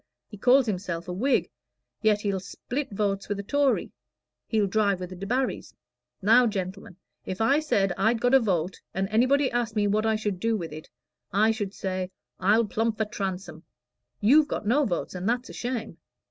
He calls himself a Whig, yet he'll split votes with a Tory he'll drive with the Debarrys. Now, gentlemen, if I said I'd got a vote, and anybody asked me what I should do with it, I should say, 'I'll plump for Transome.' You've got no votes, and that's a shame.